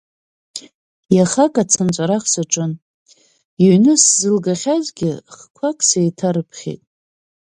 Иахак Ацынҵәарах саҿын, иҩны сзылгахьазгьы хқәак сеиҭарыԥхьеит.